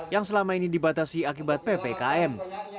yang selama ini dibatasi akibat ppkm